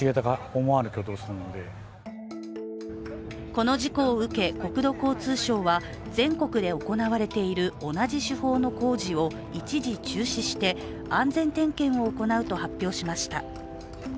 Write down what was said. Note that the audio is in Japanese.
この事故を受け、国土交通省は全国で行われている同じ手法の工事を、一時中止して安全点検を行うと発表しました。